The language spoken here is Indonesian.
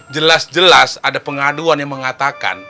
jelas jelas ada pengaduan yang mengatakan